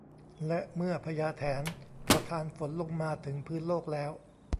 และเมื่อพญาแถนประทานฝนลงมาถึงพื้นโลกแล้ว